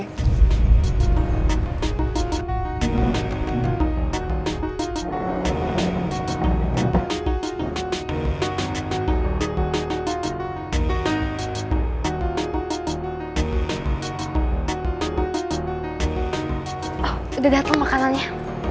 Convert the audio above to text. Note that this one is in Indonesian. oh udah dateng makanannya